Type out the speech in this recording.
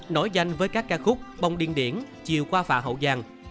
nói danh với các ca khúc bông điên điển chiều qua phạ hậu giang